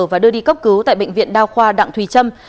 và đưa đi cấp cứu tại bệnh viện đa khoa đặng thùy trâm